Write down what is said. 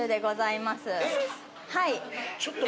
はい。